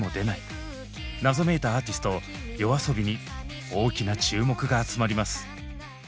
謎めいたアーティストＹＯＡＳＯＢＩに大きな注目が集まります。